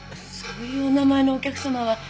そういうお名前のお客様は。